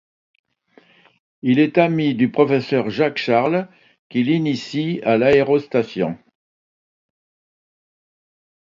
Il est ami du professeur Jacques Charles qui l'initie à l'aérostation.